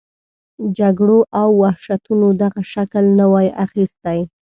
جګړو او وحشتونو دغه شکل نه وای اخیستی.